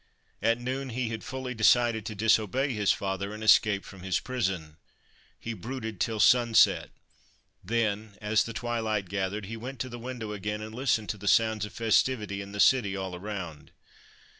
At noon he had fully decided to disobey his father and escape from his prison. He brooded till sunset ; then, as the twilight gathered, he went to the window again and listened to the sounds of festivity in the city all around.